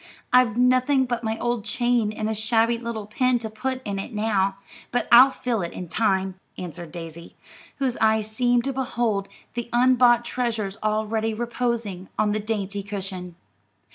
I've nothing but my old chain and a shabby little pin to put in it now, but I'll fill it in time," answered Daisy, whose eyes seemed to behold the unbought treasures already reposing on the dainty cushion.